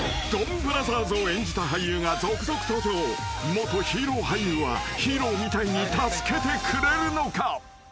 ［元ヒーロー俳優はヒーローみたいに助けてくれるのか？］